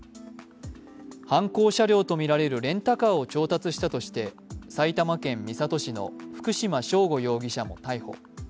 犯行車両とみられるレンタカーを調達したとして埼玉県三郷市の福島聖悟容疑者も逮捕。